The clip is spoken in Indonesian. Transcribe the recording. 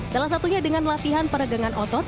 salah satunya dengan latihan peregangan otot